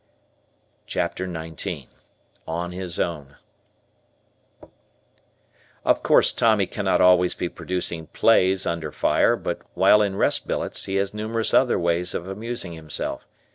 CHAPTER XIX ON HIS OWN Of course Tommy cannot always be producing plays under fire but while in rest billets he has numerous other ways of amusing himself.